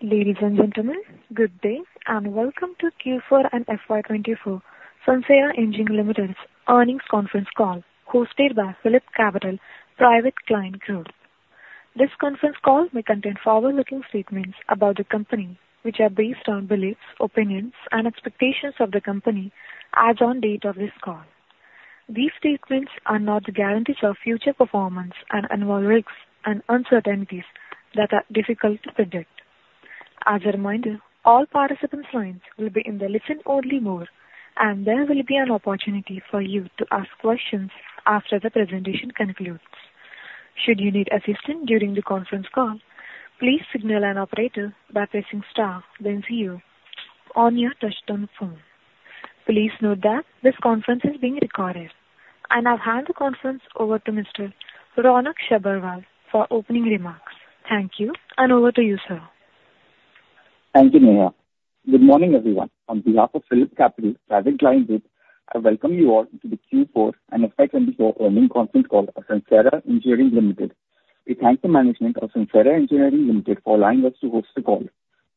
Ladies and gentlemen, good day, and welcome to Q4 and FY 2024 Sansera Engineering Limited's earnings conference call, hosted by PhillipCapital Private Client Group. This conference call may contain forward-looking statements about the company, which are based on beliefs, opinions, and expectations of the company as on date of this call. These statements are not guarantees of future performance and involve risks and uncertainties that are difficult to predict. As a reminder, all participant lines will be in the listen-only mode, and there will be an opportunity for you to ask questions after the presentation concludes. Should you need assistance during the conference call, please signal an operator by pressing star then zero on your touchtone phone. Please note that this conference is being recorded. I now hand the conference over to Mr. Raunaq Sabharwal for opening remarks. Thank you, and over to you, sir. Thank you, Neha. Good morning, everyone. On behalf of PhillipCapital Private Client Group, I welcome you all to the Q4 and FY 2024 earnings conference call of Sansera Engineering Limited. We thank the management of Sansera Engineering Limited for allowing us to host the call.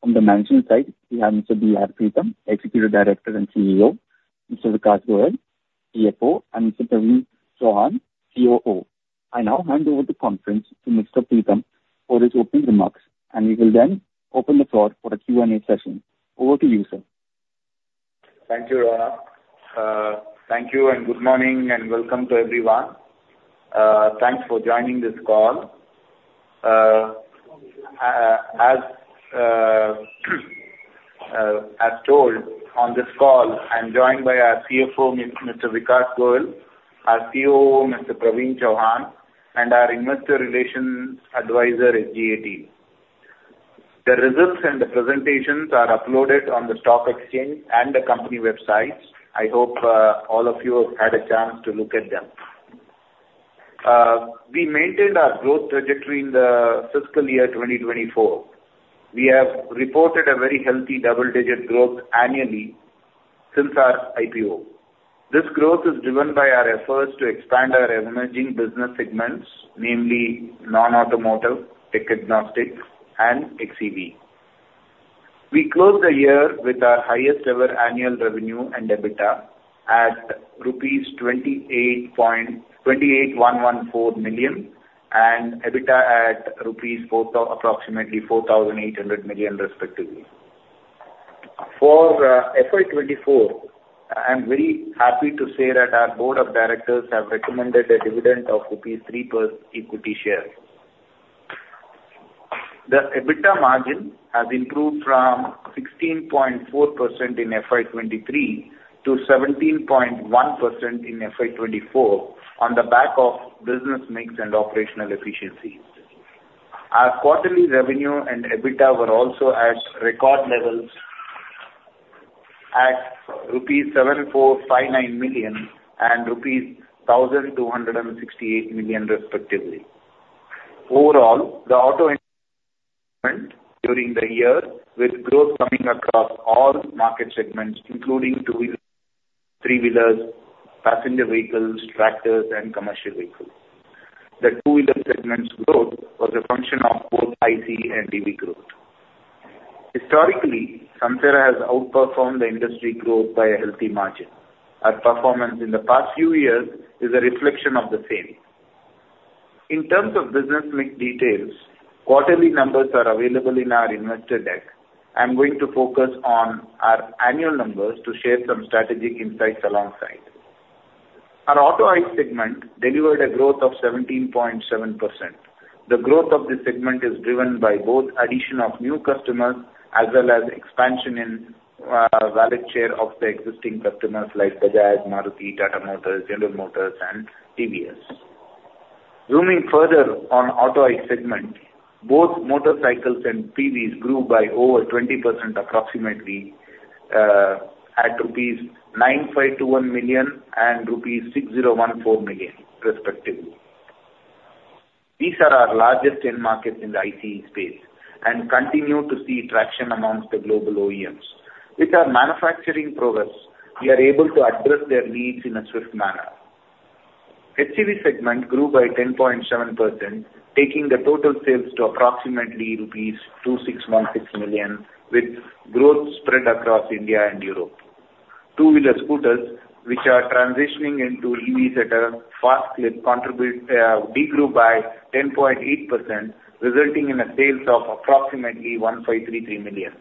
On the management side, we have Mr. B. R. Preetham, Executive Director and CEO, Mr. Vikas Goel, CFO, and Mr. Praveen Chauhan, COO. I now hand over the conference to Mr. Preetham for his opening remarks, and we will then open the floor for a Q&A session. Over to you, sir. Thank you, Raunaq. Thank you, and good morning, and welcome to everyone. Thanks for joining this call. As told on this call, I'm joined by our CFO, Mr. Vikas Goel, our COO, Mr. Praveen Chauhan, and our investor relations advisor, SGA. The results and the presentations are uploaded on the stock exchange and the company websites. I hope all of you have had a chance to look at them. We maintained our growth trajectory in the fiscal year 2024. We have reported a very healthy double-digit growth annually since our IPO. This growth is driven by our efforts to expand our emerging business segments, namely non-automotive, tech-agnostic, and xEV. We closed the year with our highest ever annual revenue and EBITDA at INR 28... Rupees 28,114 million and EBITDA at approximately 4,800 million, respectively. For FY 2024, I'm very happy to say that our board of directors have recommended a dividend of rupees 3 per equity share. The EBITDA margin has improved from 16.4% in FY 2023 to 17.1% in FY 2024, on the back of business mix and operational efficiencies. Our quarterly revenue and EBITDA were also at record levels at rupees 7,459 million and rupees 1,268 million, respectively. Overall, the auto industry during the year, with growth coming across all market segments, including two-wheeler, three-wheelers, passenger vehicles, tractors, and commercial vehicles. The two-wheeler segment's growth was a function of both ICE and EV growth. Historically, Sansera has outperformed the industry growth by a healthy margin. Our performance in the past few years is a reflection of the same. In terms of business mix details, quarterly numbers are available in our investor deck. I'm going to focus on our annual numbers to share some strategic insights alongside. Our auto ICE segment delivered a growth of 17.7%. The growth of this segment is driven by both addition of new customers as well as expansion in wallet share of the existing customers like Bajaj, Maruti, Tata Motors, General Motors and TVS. Zooming further on auto ICE segment, both motorcycles and PVs grew by over 20%, approximately at rupees 9521 million and rupees 6014 million, respectively. These are our largest end markets in the ICE space and continue to see traction amongst the global OEMs. With our manufacturing progress, we are able to address their needs in a swift manner. xEV segment grew by 10.7%, taking the total sales to approximately rupees 261.6 million, with growth spread across India and Europe. Two-wheeler scooters, which are transitioning into EVs at a fast clip, contribute, degrew by 10.8%, resulting in sales of approximately 153.3 million.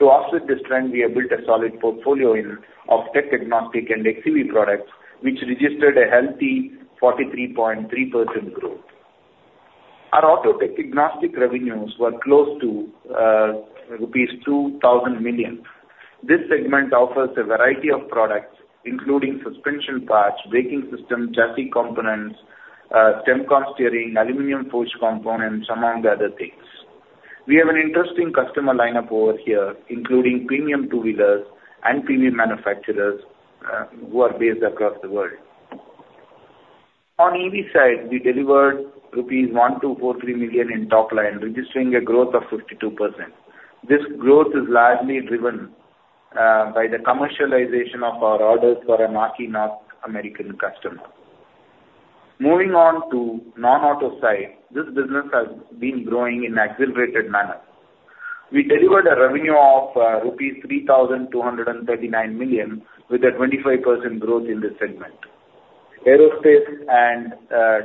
To offset this trend, we have built a solid portfolio in of tech-agnostic and xEV products, which registered a healthy 43.3% growth. Our auto tech-agnostic revenues were close to rupees 2,000 million. This segment offers a variety of products, including suspension parts, braking system, chassis components, steering, aluminum forged components, among other things. We have an interesting customer line up over here, including premium two-wheelers and premium manufacturers, who are based across the world. On EV side, we delivered rupees 1,243 million in top line, registering a growth of 52%. This growth is largely driven by the commercialization of our orders for a marquee North American customer.... Moving on to non-auto side, this business has been growing in accelerated manner. We delivered a revenue of rupees 3,239 million, with a 25% growth in this segment. Aerospace and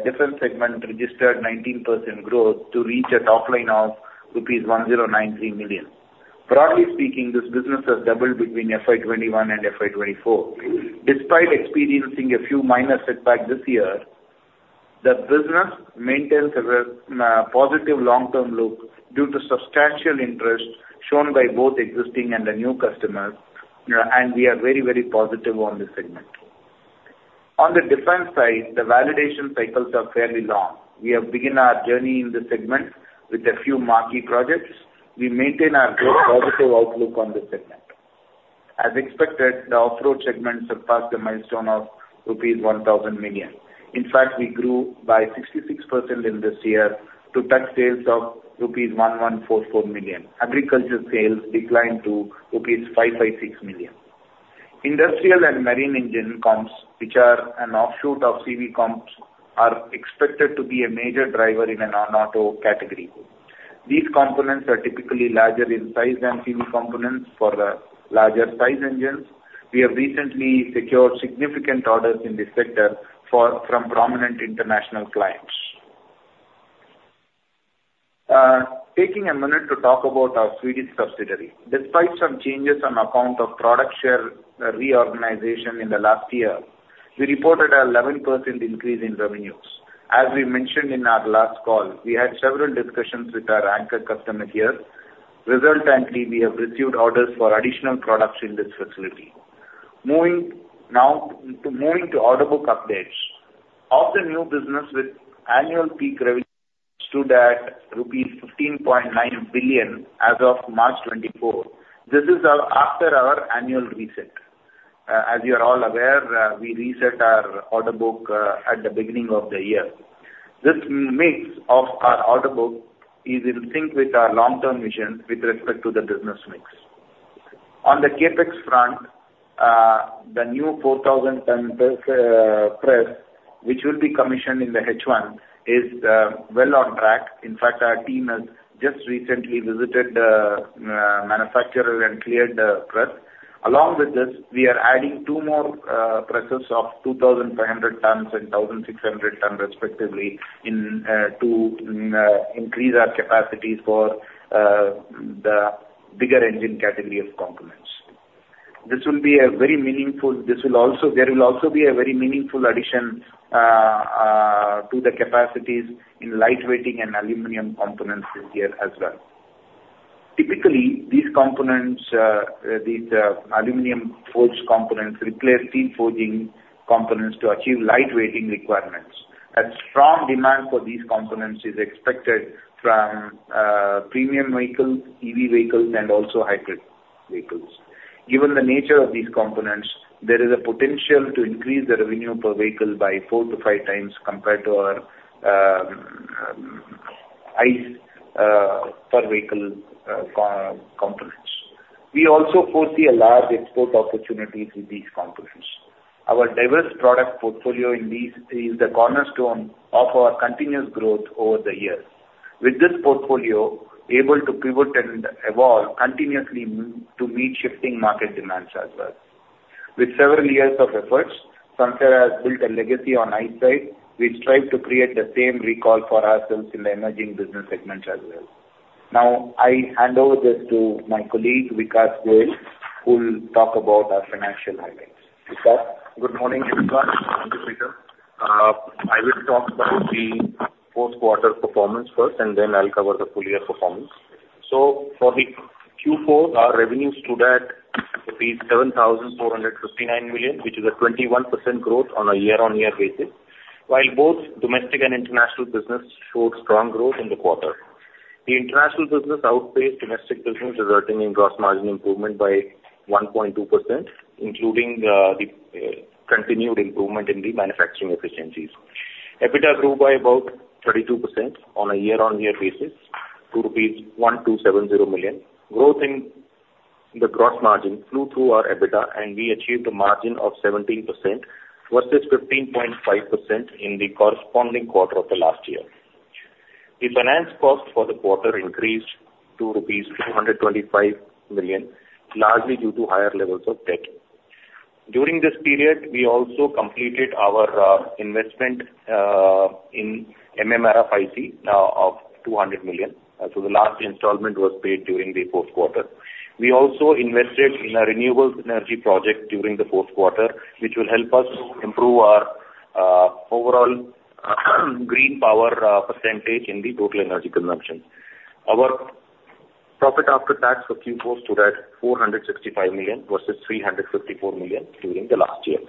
defense segment registered 19% growth to reach a top line of rupees 1,093 million. Broadly speaking, this business has doubled between FY 2021 and FY 2024. Despite experiencing a few minor setbacks this year, the business maintains a positive long-term look due to substantial interest shown by both existing and the new customers, and we are very, very positive on this segment. On the defense side, the validation cycles are fairly long. We have begun our journey in this segment with a few marquee projects. We maintain our growth positive outlook on this segment. As expected, the off-road segment surpassed the milestone of rupees 1,000 million. In fact, we grew by 66% in this year to touch sales of rupees 1,144 million. Agriculture sales declined to rupees 556 million. Industrial and marine engine comps, which are an offshoot of CV comps, are expected to be a major driver in a non-auto category. These components are typically larger in size than CV components for the larger size engines. We have recently secured significant orders in this sector for from prominent international clients. Taking a minute to talk about our Swedish subsidiary. Despite some changes on account of product share, reorganization in the last year, we reported an 11% increase in revenues. As we mentioned in our last call, we had several discussions with our anchor customer here. Resultantly, we have received orders for additional products in this facility. Moving now moving to order book updates. Of the new business with annual peak revenue stood at rupees 15.9 billion as of March 2024. This is after our annual reset. As you are all aware, we reset our order book at the beginning of the year. This mix of our order book is in sync with our long-term vision with respect to the business mix. On the CapEx front, the new 4,000-ton press, which will be commissioned in the H1, is well on track. In fact, our team has just recently visited the manufacturer and cleared the press. Along with this, we are adding two more presses of 2,500 tons and 1,600 tons respectively, to increase our capacity for the bigger engine category of components. This will be a very meaningful addition. This will also, there will also be a very meaningful addition to the capacities in lightweighting and aluminum components in here as well. Typically, these components, these aluminum forged components, replace steel forging components to achieve lightweighting requirements. A strong demand for these components is expected from premium vehicles, EV vehicles, and also hybrid vehicles. Given the nature of these components, there is a potential to increase the revenue per vehicle by four to five times compared to our ICE per vehicle components. We also foresee a large export opportunity with these components. Our diverse product portfolio in these is the cornerstone of our continuous growth over the years. With this portfolio, able to pivot and evolve continuously to meet shifting market demands as well. With several years of efforts, Sansera has built a legacy on ICE side. We strive to create the same recall for ourselves in the emerging business segments as well. Now, I hand over this to my colleague, Vikas Goel, who will talk about our financial highlights. Vikas? Good morning, everyone. Thank you, Preetham. I will talk about the fourth quarter performance first, and then I'll cover the full year performance. So for the Q4, our revenues stood at rupees 7,469 million, which is a 21% growth on a year-on-year basis. While both domestic and international business showed strong growth in the quarter. The international business outpaced domestic business, resulting in gross margin improvement by 1.2%, including the continued improvement in the manufacturing efficiencies. EBITDA grew by about 32% on a year-on-year basis to rupees 1,270 million. Growth in the gross margin flew through our EBITDA, and we achieved a margin of 17% versus 15.5% in the corresponding quarter of the last year. The finance cost for the quarter increased to rupees 325 million, largely due to higher levels of debt. During this period, we also completed our investment in MMRFIC of 200 million. So the last installment was paid during the fourth quarter. We also invested in a renewables energy project during the fourth quarter, which will help us improve our overall green power percentage in the total energy consumption. Our profit after tax for Q4 stood at 465 million versus 354 million during the last year.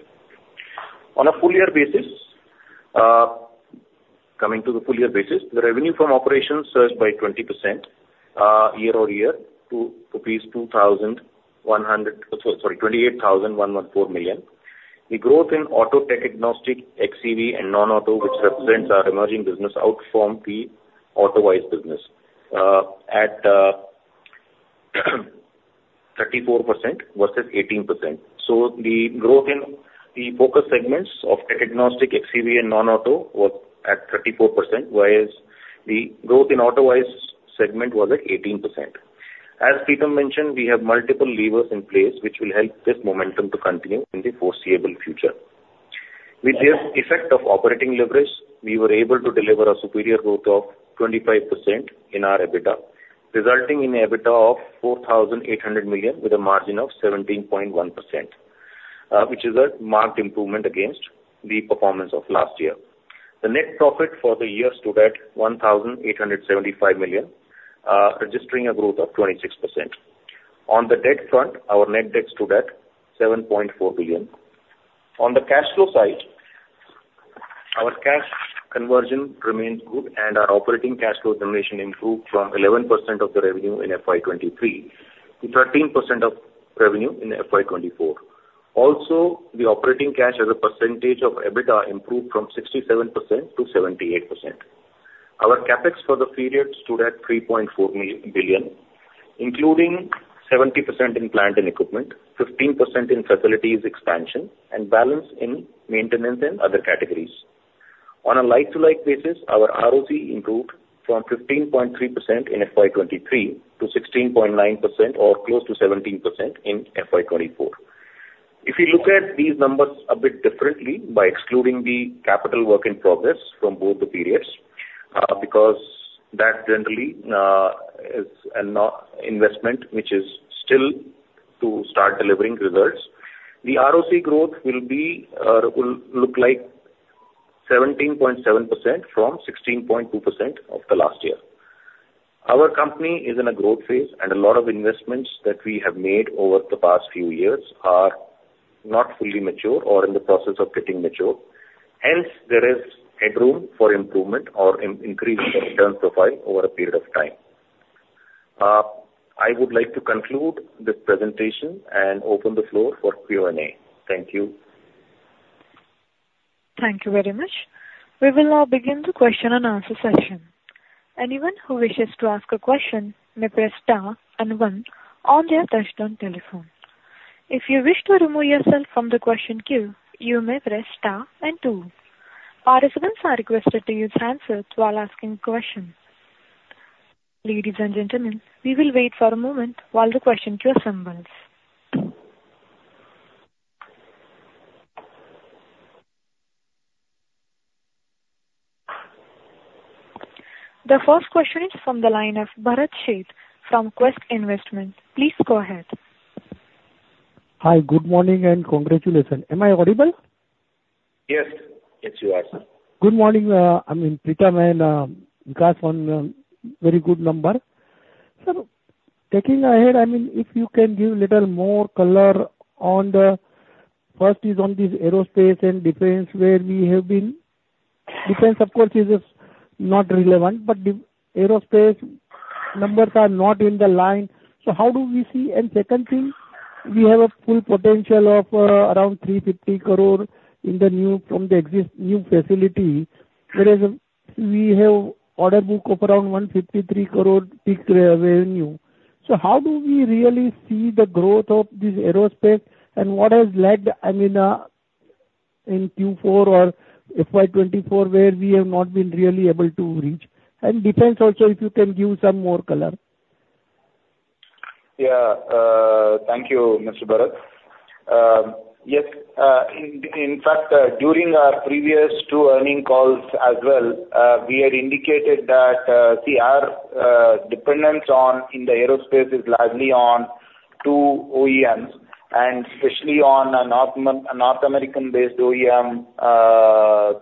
On a full year basis, coming to the full year basis, the revenue from operations surged by 20% year-over-year to rupees 2,100... Sorry, 28,114 million. The growth in auto tech-agnostic, xEV and non-auto, which represents our emerging business, outperform the auto ICE business. ...34% versus 18%. So the growth in the focus segments of technology, xEV and non-auto was at 34%, whereas the growth in auto ICE segment was at 18%. As Preetham mentioned, we have multiple levers in place which will help this momentum to continue in the foreseeable future. With this effect of operating leverage, we were able to deliver a superior growth of 25% in our EBITDA, resulting in EBITDA of 4,800 million, with a margin of 17.1%, which is a marked improvement against the performance of last year. The net profit for the year stood at 1,875 million, registering a growth of 26%. On the debt front, our net debt stood at 7.4 billion. On the cash flow side, our cash conversion remains good and our operating cash flow generation improved from 11% of the revenue in FY 2023 to 13% of revenue in FY 2024. Also, the operating cash as a percentage of EBITDA improved from 67% to 78%. Our CapEx for the period stood at 3.4 billion, including 70% in plant and equipment, 15% in facilities expansion and balance in maintenance and other categories. On a like-to-like basis, our ROC improved from 15.3% in FY 2023 to 16.9% or close to 17% in FY 2024. If you look at these numbers a bit differently by excluding the capital work in progress from both the periods, because that generally is a no investment which is still to start delivering results, the ROC growth will be, will look like 17.7% from 16.2% of the last year. Our company is in a growth phase and a lot of investments that we have made over the past few years are not fully mature or in the process of getting mature. Hence, there is headroom for improvement or increase in return profile over a period of time. I would like to conclude this presentation and open the floor for Q&A. Thank you. Thank you very much. We will now begin the question and answer session. Anyone who wishes to ask a question may press star and one on their touchtone telephone. If you wish to remove yourself from the question queue, you may press star and two. Participants are requested to use handsets while asking questions. Ladies and gentlemen, we will wait for a moment while the question queue assembles. The first question is from the line of Bharat Sheth from Quest Investments. Please go ahead. Hi, good morning and congratulations. Am I audible? Yes. Yes, you are, sir. Good morning. I mean, Preetham and Vikas on, very good number. So taking ahead, I mean, if you can give a little more color on the, first is on this aerospace and defense, where we have been. Defense, of course, is, is not relevant, but the aerospace numbers are not in line. So how do we see? And second thing, we have full potential of around 350 crore in the new from the existing new facility. Whereas we have order book of around 153 crore peak revenue. So how do we really see the growth of this aerospace and what has led, I mean, in Q4 or FY 2024, where we have not been really able to reach? And defense also, if you can give some more color. Yeah, thank you, Mr. Bharat. Yes, in fact, during our previous two earnings calls as well, we had indicated that, see, our dependence on the aerospace is largely on two OEMs, and especially on a North American-based OEM,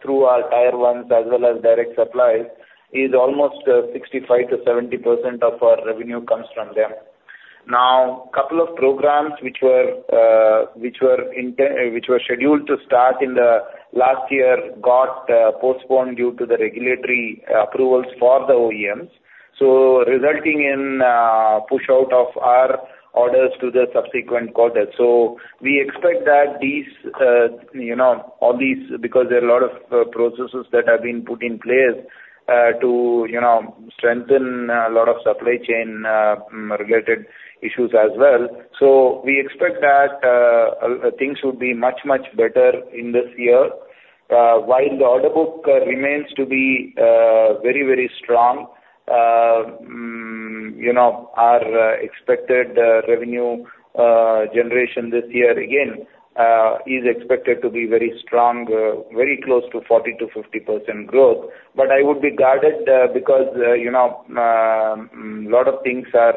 through our tier ones as well as direct suppliers, is almost 65%-70% of our revenue comes from them. Now, couple of programs which were scheduled to start in the last year, got postponed due to the regulatory approvals for the OEMs. So resulting in push out of our orders to the subsequent quarter. So we expect that these, you know, all these, because there are a lot of processes that have been put in place, to, you know, strengthen a lot of supply chain related issues as well. So we expect that things would be much, much better in this year. While the order book remains to be very, very strong, you know, our expected revenue generation this year again is expected to be very strong, very close to 40%-50% growth. But I would be guarded, because, you know, a lot of things are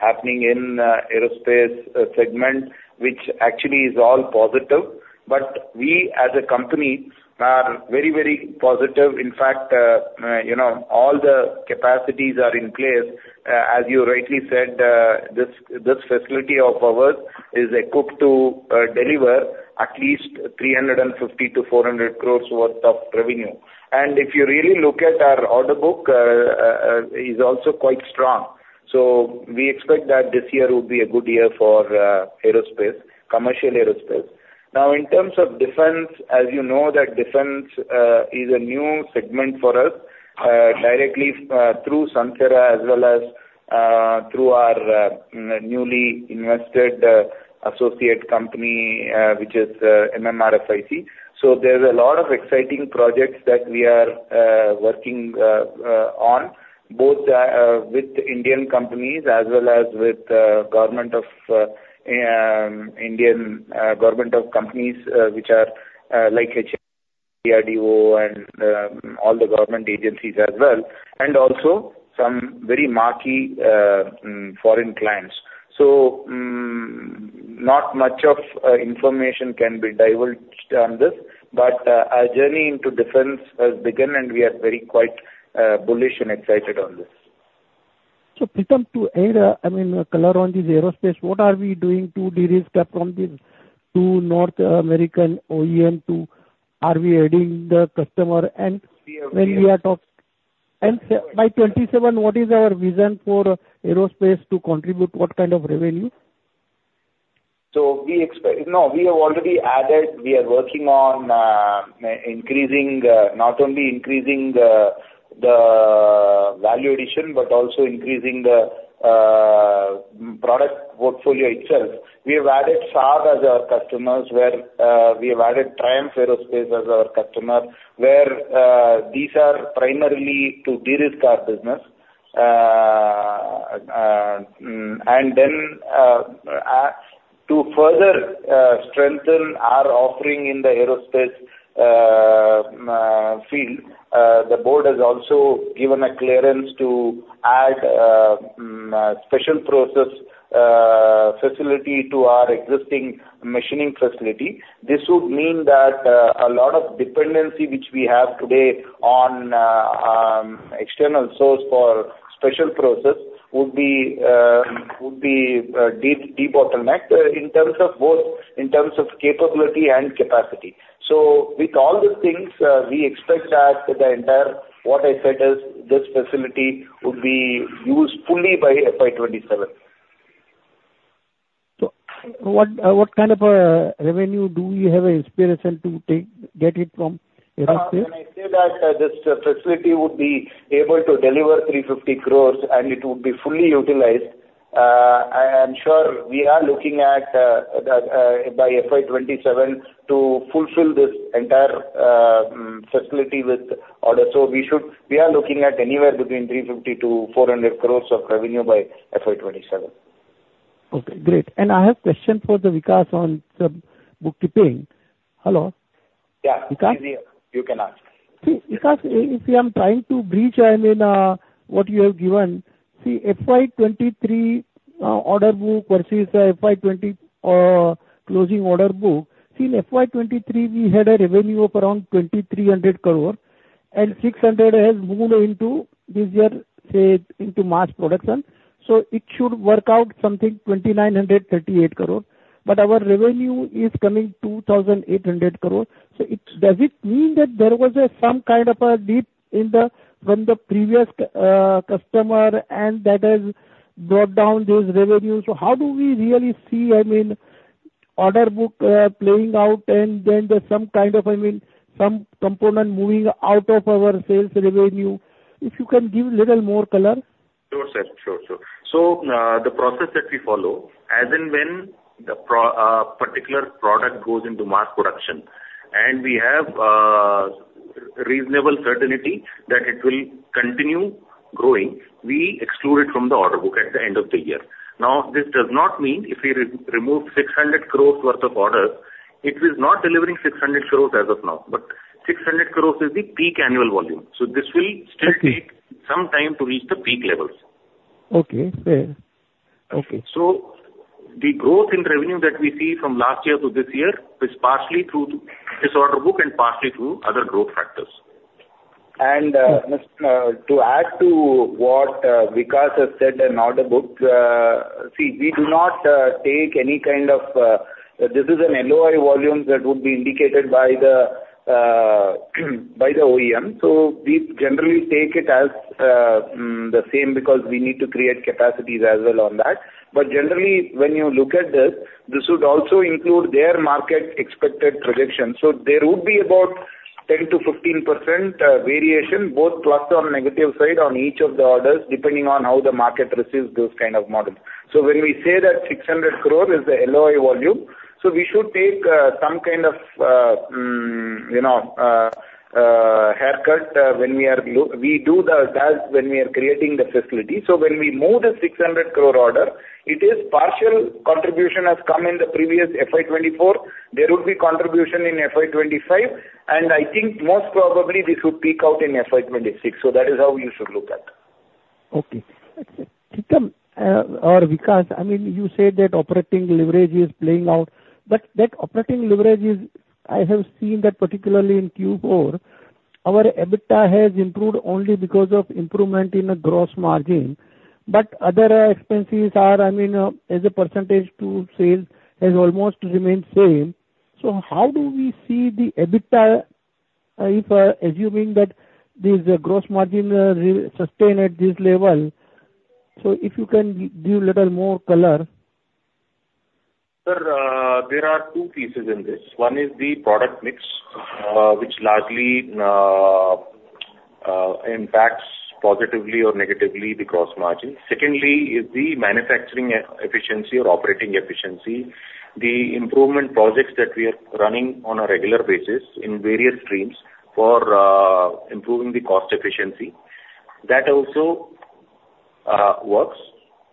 happening in aerospace segment, which actually is all positive. But we as a company are very, very positive. In fact, you know, all the capacities are in place. As you rightly said, this facility of ours is equipped to deliver at least 350 crores-400 crores worth of revenue. And if you really look at our order book, is also quite strong. So we expect that this year will be a good year for aerospace, commercial aerospace. Now, in terms of defense, as you know, that defense is a new segment for us, directly through Sansera, as well as through our newly invested associate company, which is MMRFIC. So there's a lot of exciting projects that we are working on, both with Indian companies as well as with government of Indian government of companies, which are like HAL and DRDO and all the government agencies as well, and also some very marquee foreign clients. So, not much of information can be divulged on this, but our journey into defense has begun, and we are very quite bullish and excited on this. So Preetham, I mean, color on this aerospace, what are we doing to de-risk up from this to North American OEM to...? Are we adding the customer? And when we are talking and by 2027, what is our vision for aerospace to contribute? What kind of revenue? So we expect. No, we have already added. We are working on increasing not only the value addition, but also the product portfolio itself. We have added Saab as our customers, where we have added Triumph Aerospace as our customer, where these are primarily to de-risk our business. And then to further strengthen our offering in the aerospace field, the board has also given a clearance to add special process facility to our existing machining facility. This would mean that a lot of dependency, which we have today on external source for special process, would be de-bottlenecked in terms of both capability and capacity. So with all these things, we expect that the entire, what I said is, this facility would be used fully by FY 2027. So, what kind of revenue do you have an aspiration to get from aerospace? When I say that, this facility would be able to deliver 350 crores, and it would be fully utilized. I'm sure we are looking at the by FY 2027 to fulfill this entire facility with order. So we should. We are looking at anywhere between 350-400 crores of revenue by FY 2027. Okay, great. I have question for the Vikas on the bookkeeping. Hello? Yeah. Vikas? You can ask. See, Vikas, if I'm trying to reach, I mean, what you have given, see, FY 2023 order book versus the FY 2020 closing order book. See, in FY 2023, we had a revenue of around 2,300 crore, and 600 has moved into this year, say, into mass production. So it should work out something 2,938 crore, but our revenue is coming 2,800 crore. So it's, does it mean that there was some kind of a dip in the, from the previous customer, and that has brought down those revenues? So how do we really see, I mean, order book playing out, and then there's some kind of, I mean, some component moving out of our sales revenue? If you can give little more color. Sure, sir. Sure, sure. So, the process that we follow, as and when the particular product goes into mass production, and we have reasonable certainty that it will continue growing, we exclude it from the order book at the end of the year. Now, this does not mean if we remove 600 crore worth of orders, it is not delivering 600 crore as of now, but 600 crore is the peak annual volume. So this will- Okay. Still take some time to reach the peak levels. Okay, fair. Okay. The growth in revenue that we see from last year to this year is partially through this order book and partially through other growth factors. To add to what Vikas has said in order book, see, we do not take any kind of this is an LOI volume that would be indicated by the by the OEM. So we generally take it as the same, because we need to create capacities as well on that. But generally, when you look at this, this would also include their market expected projections. So there would be about 10%-15% variation, both plus or negative side on each of the orders, depending on how the market receives those kind of models. So when we say that 600 crore is the LOI volume, so we should take some kind of you know haircut when we are. We do the task when we are creating the facility. So when we move the 600 crore order, it is partial contribution has come in the previous FY 2024. There would be contribution in FY 2025, and I think most probably this would peak out in FY 2026. So that is how you should look at. Okay. Preetham, or Vikas, I mean, you said that operating leverage is playing out, but that operating leverage is, I have seen that particularly in Q4, our EBITDA has improved only because of improvement in the gross margin. But other expenses are, I mean, as a percentage to sales, has almost remained same. So how do we see the EBITDA if, assuming that this gross margin sustain at this level? So if you can give little more color. Sir, there are two pieces in this. One is the product mix, which largely impacts positively or negatively the gross margin. Secondly, is the manufacturing efficiency or operating efficiency. The improvement projects that we are running on a regular basis in various streams for improving the cost efficiency, that also works.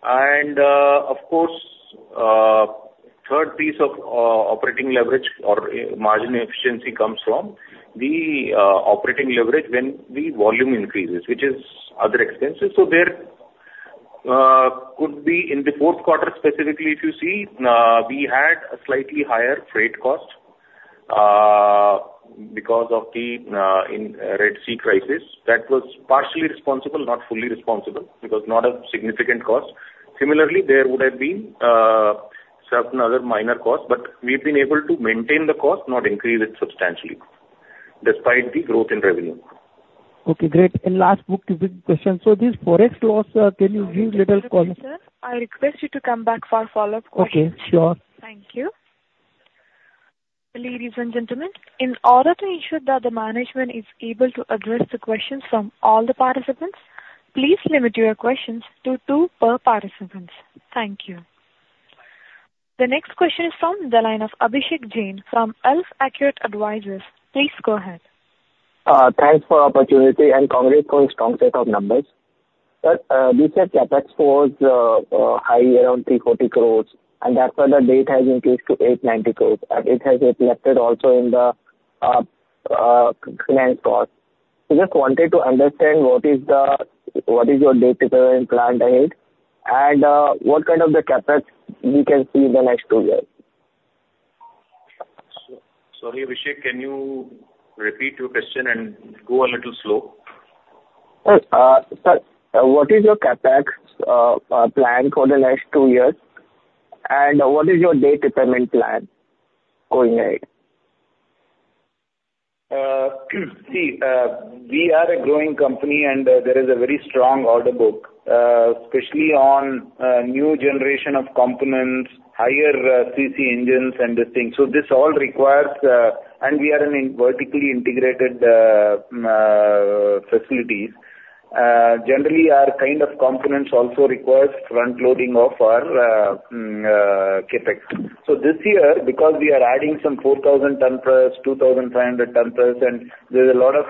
And, of course, third piece of operating leverage or margin efficiency comes from the operating leverage when the volume increases, which is other expenses. So there could be in the fourth quarter, specifically if you see, we had a slightly higher freight cost because of the in Red Sea crisis. That was partially responsible, not fully responsible, it was not a significant cost. Similarly, there would have been certain other minor costs, but we've been able to maintain the cost, not increase it substantially despite the growth in revenue. Okay, great. Last but not least question: so this forex loss, can you give little color? I'll request you to come back for a follow-up question. Okay, sure. Thank you. Ladies and gentlemen, in order to ensure that the management is able to address the questions from all the participants, please limit your questions to two per participants. Thank you. The next question is from the line of Abhishek Jain from AlfAccurate Advisors. Please go ahead. Thanks for opportunity, and congrats on strong set of numbers. But, you said CapEx was high, around 340 crore, and that's where the debt has increased to 890 crore, and it has reflected also in the finance cost. I just wanted to understand, what is the, what is your debt to current plan ahead, and what kind of the CapEx we can see in the next two years? Sorry, Abhishek, can you repeat your question and go a little slow? Sure. Sir, what is your CapEx plan for the next two years, and what is your debt repayment plan going ahead? See, we are a growing company, and there is a very strong order book, especially on new generation of components, higher CC engines and this thing. So this all requires... And we are in vertically integrated facilities. Generally, our kind of components also requires front loading of our CapEx. So this year, because we are adding some 4,000-ton press, 2,500-ton press, and there's a lot of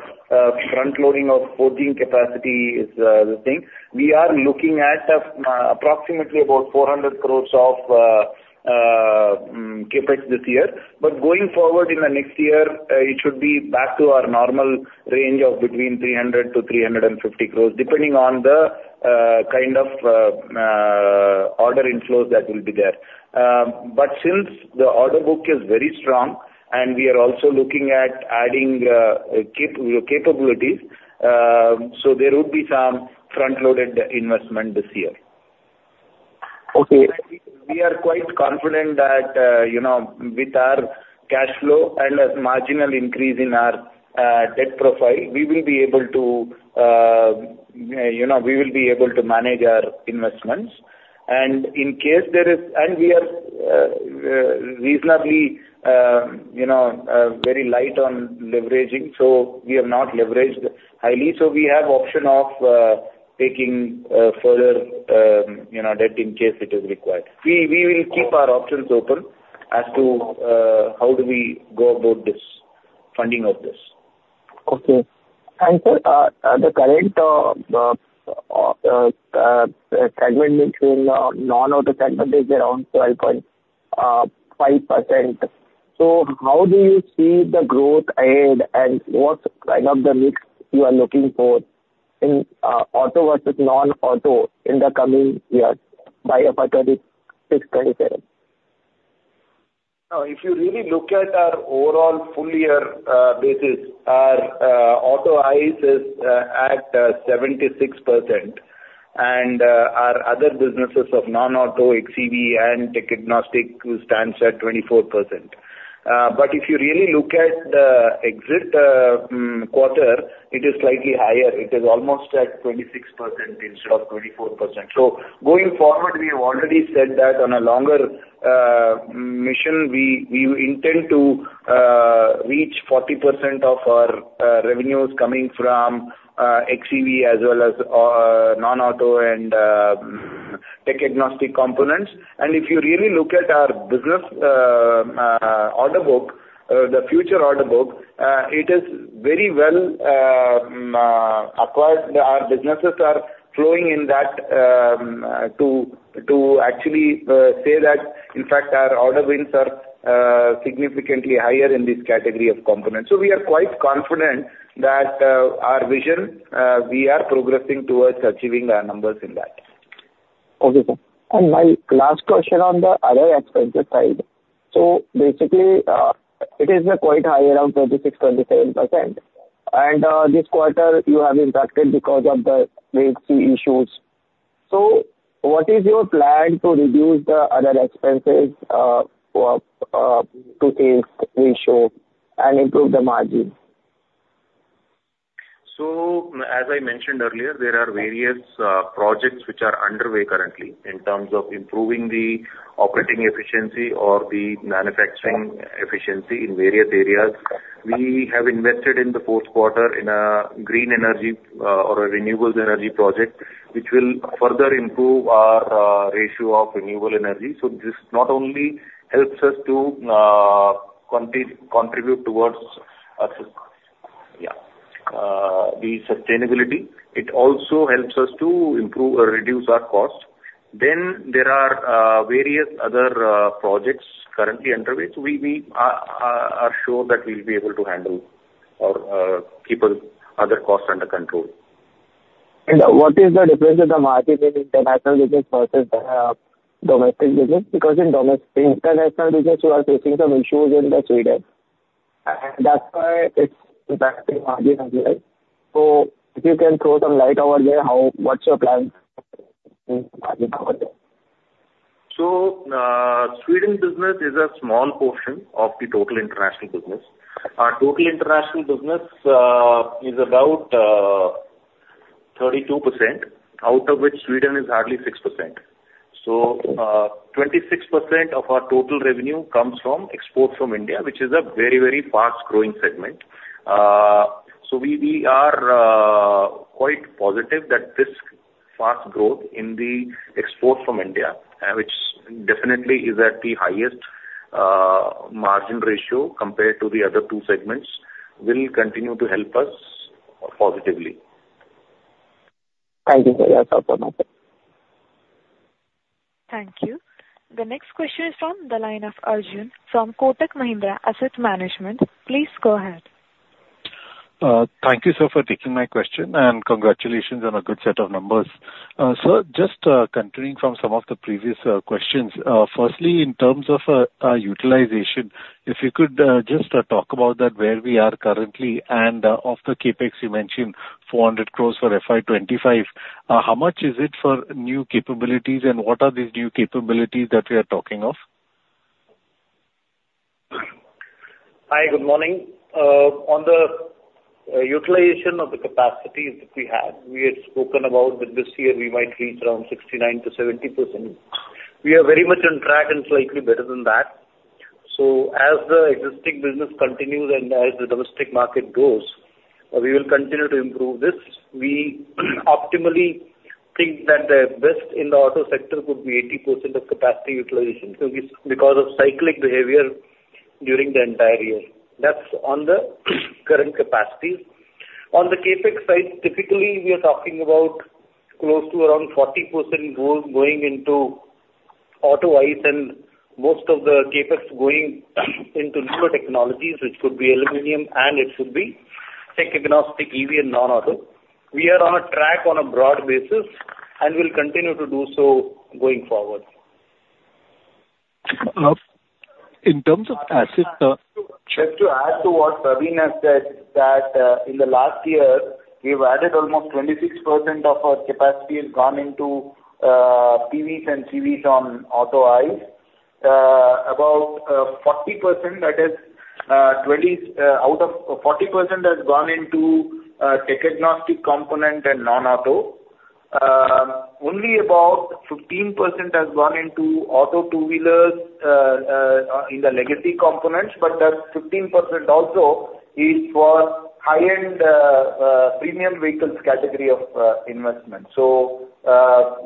front loading of forging capacity is the thing. We are looking at approximately about 400 crore of CapEx this year. Going forward in the next year, it should be back to our normal range of between 300 crore-350 crore, depending on the kind of order inflows that will be there. But since the order book is very strong and we are also looking at adding capabilities, so there would be some front-loaded investment this year. Okay. We are quite confident that, you know, with our cash flow and a marginal increase in our debt profile, we will be able to, you know, manage our investments. And we are reasonably, you know, very light on leveraging, so we have not leveraged highly. So we have option of taking further, you know, debt in case it is required. We will keep our options open as to how do we go about this funding of this. Okay. Sir, the current non-auto segment is around 12.5%. So how do you see the growth ahead, and what kind of the mix you are looking for in auto versus non-auto in the coming years, by a FY 2026-2027? Now, if you really look at our overall full year basis, our auto ICE is at 76%, and our other businesses of non-auto, xEV and tech-agnostic stands at 24%. But if you really look at the exit quarter, it is slightly higher. It is almost at 26% instead of 24%. So going forward, we have already said that on a longer term, we intend to reach 40% of our revenues coming from xEV as well as non-auto and tech-agnostic components. And if you really look at our business order book, the future order book, it is very well acquired. Our businesses are flowing in that, to actually say that, in fact, our order wins are significantly higher in this category of components. So we are quite confident that, our vision, we are progressing towards achieving our numbers in that. Okay, sir. And my last question on the other expenses side. So basically, it is quite high, around 26%-27%. And, this quarter, you have impacted because of the Red Sea issues. So what is your plan to reduce the other expenses, for, to this ratio and improve the margin? ... So as I mentioned earlier, there are various projects which are underway currently in terms of improving the operating efficiency or the manufacturing efficiency in various areas. We have invested in the fourth quarter in a green energy or a renewables energy project, which will further improve our ratio of renewable energy. So this not only helps us to contribute towards the sustainability, it also helps us to improve or reduce our costs. Then there are various other projects currently underway. So we are sure that we'll be able to handle or keep other costs under control. What is the EBITDA margin in international business versus domestic business? Because in domestic, international business, you are facing some issues in Sweden, and that's why it's impacting margin as well. So if you can throw some light over there, what's your plan in margin over there? Sweden business is a small portion of the total international business. Our total international business is about 32%, out of which Sweden is hardly 6%. 26% of our total revenue comes from exports from India, which is a very, very fast growing segment. We are quite positive that this fast growth in the export from India, which definitely is at the highest margin ratio compared to the other two segments, will continue to help us positively. Thank you, sir. That's all from my side. Thank you. The next question is from the line of Arjun from Kotak Mahindra Asset Management. Please go ahead. Thank you, sir, for taking my question, and congratulations on a good set of numbers. Sir, just continuing from some of the previous questions. Firstly, in terms of utilization, if you could just talk about that, where we are currently, and of the CapEx, you mentioned 400 crore for FY 2025. How much is it for new capabilities, and what are these new capabilities that we are talking of? Hi, good morning. On the utilization of the capacities that we have, we had spoken about that this year we might reach around 69%-70%. We are very much on track and slightly better than that. So as the existing business continues and as the domestic market grows, we will continue to improve this. We optimally think that the best in the auto sector could be 80% of capacity utilization, so it's because of cyclic behavior during the entire year. That's on the current capacity. On the CapEx side, typically, we are talking about close to around 40% growth going into auto ICE and most of the CapEx going into newer technologies, which could be aluminum and it could be tech-agnostic, EV and non-auto. We are on a track on a broad basis and will continue to do so going forward. In terms of asset, Just to add to what Praveen has said, in the last year, we've added almost 26% of our capacity has gone into EVs and CVs on auto ICE. About 40%, that is, 20 out of 40% has gone into tech-agnostic component and non-auto. Only about 15% has gone into auto two-wheelers in the legacy components, but that 15% also is for high-end premium vehicles category of investment. So,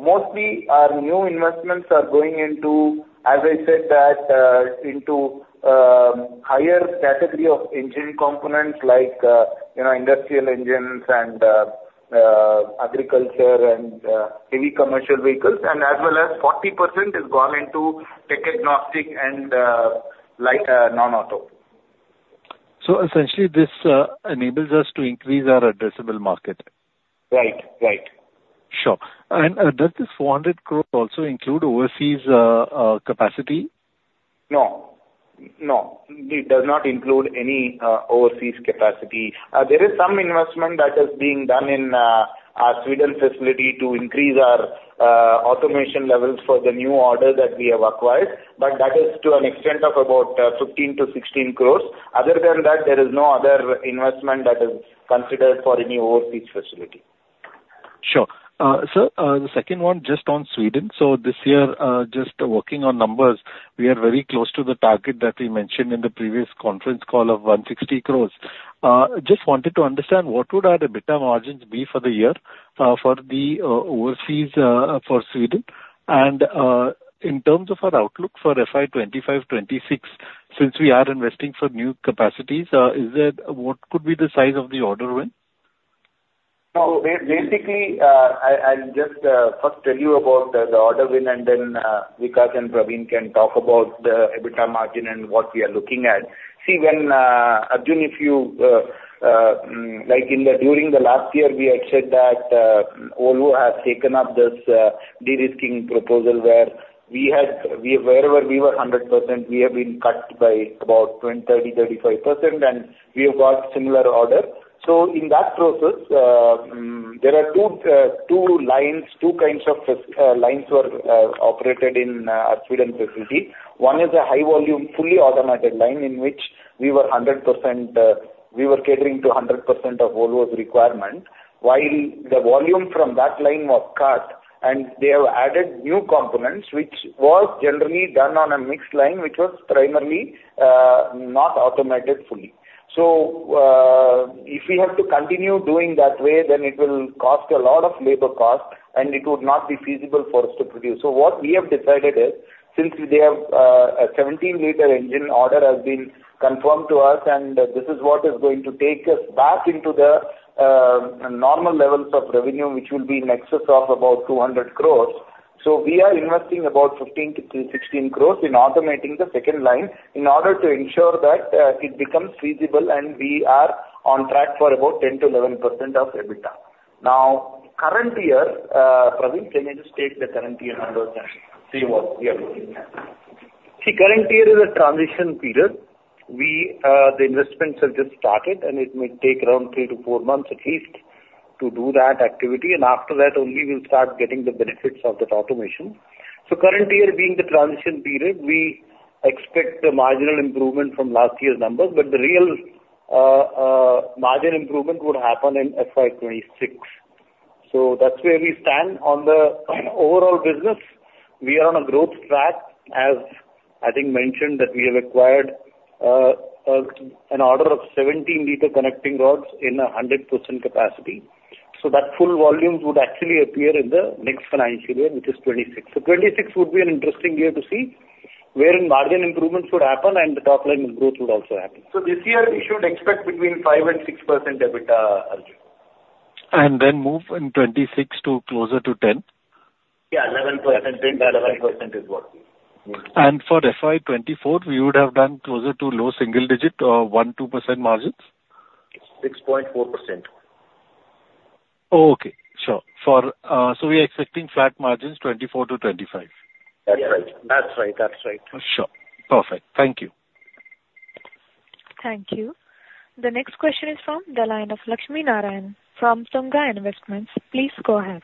mostly our new investments are going into, as I said, into higher category of engine components like, you know, industrial engines and agriculture and heavy commercial vehicles, and as well as 40% has gone into tech-agnostic and, like, non-auto. Essentially, this enables us to increase our addressable market? Right. Right. Sure. And, does this 400 crore also include overseas capacity? No, no, it does not include any overseas capacity. There is some investment that is being done in our Sweden facility to increase our automation levels for the new order that we have acquired, but that is to an extent of about 15 crore- 16 crore. Other than that, there is no other investment that is considered for any overseas facility. Sure. Sir, the second one, just on Sweden. So this year, just working on numbers, we are very close to the target that we mentioned in the previous conference call of 160 crore. Just wanted to understand, what would our EBITDA margins be for the year, for the overseas, for Sweden? And, in terms of our outlook for FY 2025, 2026, since we are investing for new capacities, is there—what could be the size of the order win? So basically, I'll just first tell you about the order win, and then Vikas and Praveen can talk about the EBITDA margin and what we are looking at. See, when Arjun, if you like, during the last year, we had said that Volvo has taken up this de-risking proposal, where we had, wherever we were 100%, we have been cut by about 20%, 30%, 35%, and we have got similar order. So in that process... There are two kinds of lines were operated in Sweden facility. One is a high volume, fully automated line, in which we were 100%, we were catering to 100% of Volvo's requirement. While the volume from that line was cut, and they have added new components, which was generally done on a mixed line, which was primarily, not automated fully. So, if we have to continue doing that way, then it will cost a lot of labor cost, and it would not be feasible for us to produce. So what we have decided is, since they have a 17-liter engine order has been confirmed to us, and this is what is going to take us back into the normal levels of revenue, which will be in excess of about 200 crores. So we are investing about 15-16 crores in automating the second line in order to ensure that it becomes feasible, and we are on track for about 10%-11% of EBITDA. Now, current year, Praveen, can you just state the current year numbers and see what we are looking at? See, current year is a transition period. We, the investments have just started, and it may take around three to four months at least to do that activity, and after that only we'll start getting the benefits of that automation. So current year being the transition period, we expect a marginal improvement from last year's numbers, but the real, margin improvement would happen in FY 2026. So that's where we stand on the overall business. We are on a growth track, as I think mentioned, that we have acquired, an order of 17-liter connecting rods in a 100% capacity. So that full volumes would actually appear in the next financial year, which is 2026. 2026 would be an interesting year to see where margin improvements would happen and the top line growth would also happen. This year we should expect between 5% and 6% EBITDA, Arjun. And then move in 2026 to closer to 10? Yeah, 11%. 10%-11% is what. For FY 2024, we would have done closer to low single-digit 1%-2% margins? 6.4%. Oh, okay. Sure. For, so we are expecting flat margins 2024-2025? That's right. That's right. That's right. Sure. Perfect. Thank you. Thank you. The next question is from the line of Lakshminarayanan from Tunga Investments. Please go ahead.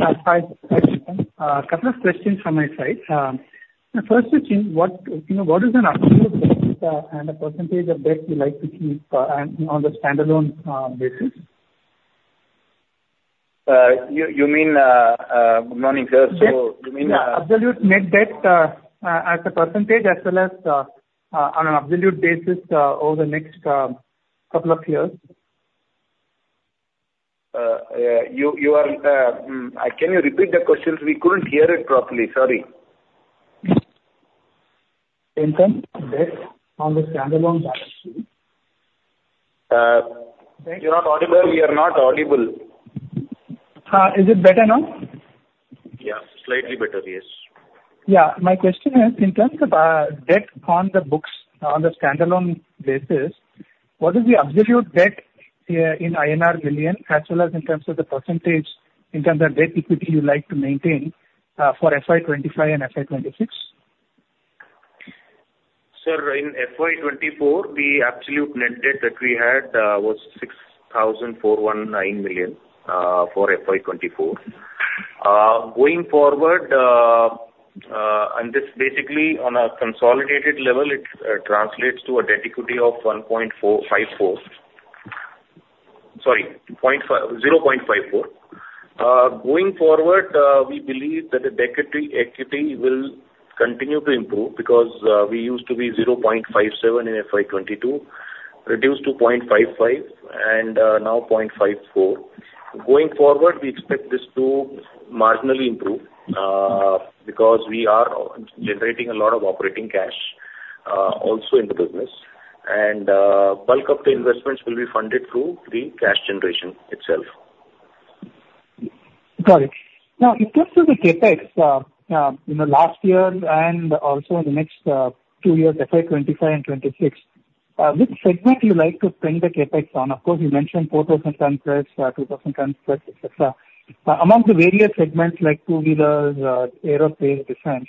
Hi, a couple of questions from my side. The first is in, what, you know, what is the absolute debt, and the percentage of debt you like to keep, and on the standalone basis? You, you mean, money per so- Yes. You mean, Absolute net debt, as a percentage, as well as, on an absolute basis, over the next couple of years. Can you repeat the question? We couldn't hear it properly. Sorry. In terms of debt on the standalone basis. You're not audible. We are not audible. Is it better now? Yeah, slightly better. Yes. Yeah. My question is, in terms of debt on the books, on the standalone basis, what is the absolute debt in INR million, as well as in terms of the percentage, in terms of debt equity you like to maintain, for FY 2025 and FY 2026? Sir, in FY 2024, the absolute net debt that we had was 6,419 million for FY 2024. Going forward, and this basically on a consolidated level, it translates to a debt equity of 0.54. Going forward, we believe that the debt equity will continue to improve because we used to be 0.57 in FY 2022, reduced to 0.55, and now 0.54. Going forward, we expect this to marginally improve because we are generating a lot of operating cash also in the business. Bulk of the investments will be funded through the cash generation itself. Got it. Now, in terms of the CapEx, in the last year and also in the next two years, FY 2025 and 2026, which segment you like to spend the CapEx on? Of course, you mentioned 4,000-ton press, 2,000-ton press, etc. Among the various segments like two-wheelers, aerospace, defense,